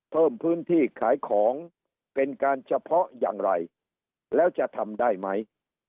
เพิ่มพื้นที่ขายของเป็นการเฉพาะอย่างไรแล้วจะทำได้ไหม